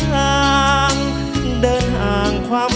สวัสดีครับ